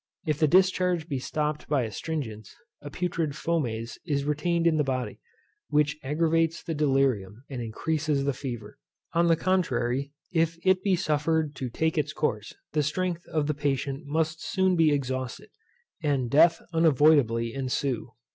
If the discharge be stopped by astringents, a putrid fomes is retained in the body, which aggravates the delirium and increases the fever. On the contrary, if it be suffered to take its course, the strength of the patient must soon be exhausted, and death unavoidably ensue.